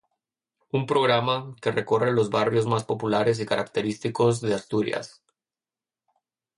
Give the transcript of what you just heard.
Un programa, que recorre los barrios más populares y característicos de Asturias.